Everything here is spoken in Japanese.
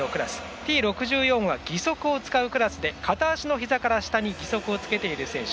Ｔ６４は義足を使うクラスで片足のひざから下に義足をつけている選手。